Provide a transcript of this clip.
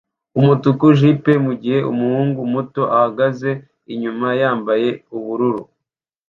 umutuku Jeep mugihe umuhungu muto ahagaze inyuma yambaye ubururu